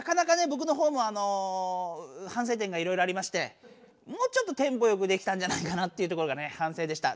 ぼくのほうもあのはんせい点がいろいろありましてもうちょっとテンポよくできたんじゃないかなっていうところがねはんせいでした。